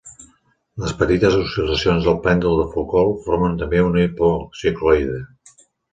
Les petites oscil·lacions del pèndol de Foucault formen també una hipocicloide.